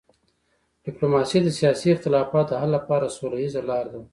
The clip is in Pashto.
ډیپلوماسي د سیاسي اختلافاتو د حل لپاره سوله ییزه لار ده.